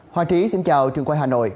hòa trí xin chào trường quay hà nội